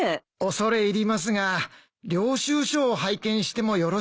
恐れ入りますが領収書を拝見してもよろしいですか？